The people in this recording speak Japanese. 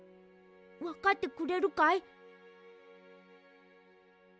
わかってくれるかい？